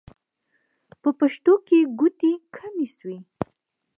په پښتنو کې ګوتې کمې شوې.